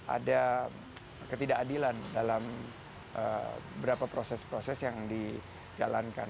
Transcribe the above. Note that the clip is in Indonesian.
ada ketidakadilan dalam beberapa proses proses yang dijalankan